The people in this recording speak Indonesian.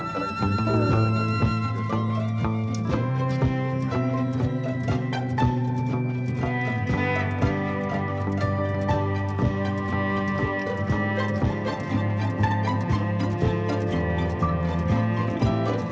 terkomunikasi dengan negara negara